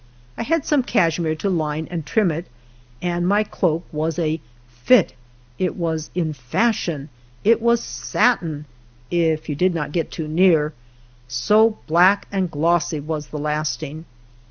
I had some cashmere to line and trim it, and my cloak was a "lit;'' it was "in fashion;" it was satin, if you did not get too near, so black and glossy was the last ing.